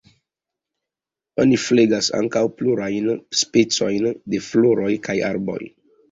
Oni flegas ankaŭ plurajn specojn de floroj kaj arboj.